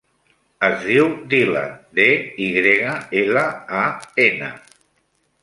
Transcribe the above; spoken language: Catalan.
Es diu Dylan: de, i grega, ela, a, ena.